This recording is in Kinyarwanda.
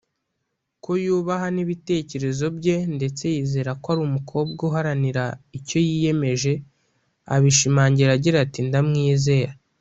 ko yubaha n’ibitekerezo bye ndetse yizera ko ari umukobwa uharanira icyo yiyemeje abishimangira agira ati ‘Ndamwizera’